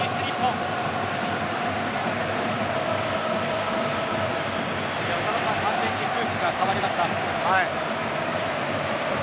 スタジアム完全に空気が変わりました。